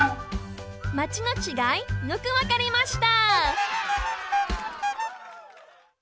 「マチ」のちがいよくわかりました！